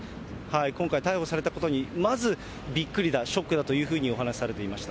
今回、逮捕されたことに、まず、びっくりだ、ショックだというふうにお話しされていました。